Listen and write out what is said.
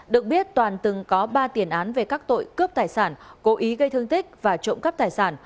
được biết toàn từng có ba tiền án về các tội cướp tài sản cố ý gây thương tích và trộm cắp tài sản